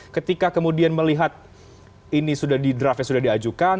ketika kemudian melihat ini sudah di draftnya sudah diajukan